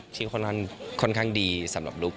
ที่ค่อนข้างดีสำหรับลุค